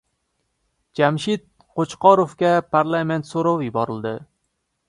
Jamshid Qo‘chqorovga parlament so‘rovi yuborildi